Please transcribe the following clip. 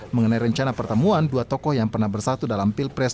mengenai rencana pertemuan dua tokoh yang pernah bersatu dalam pilpres